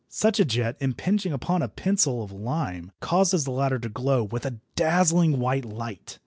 Such a jet impinging upon a pencil of lime causes the latter to glow with a dazzling white light.